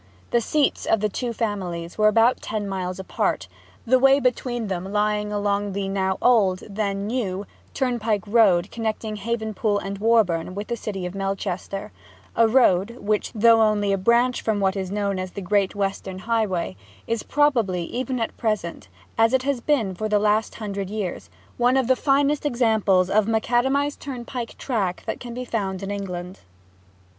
The seats of the two families were about ten miles apart, the way between them lying along the now old, then new, turnpike road connecting Havenpool and Warborne with the city of Melchester: a road which, though only a branch from what was known as the Great Western Highway, is probably, even at present, as it has been for the last hundred years, one of the finest examples of a macadamized turnpike track that can be found in England.